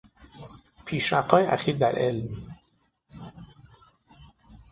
پیشرفتهای اخیر در علم